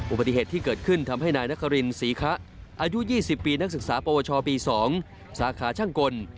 อุบัติเหตุที่เกิดขึ้นทำให้นายนครินศรีคะอายุ๒๐ปีนักศึกษาปวชปี๒สาขาช่างกล